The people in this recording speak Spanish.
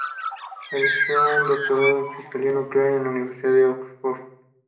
Realizó un doctorado en física nuclear en la Universidad de Oxford.